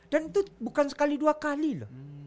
dan itu bukan sekali dua kali loh